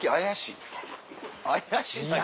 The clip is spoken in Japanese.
怪しないよ。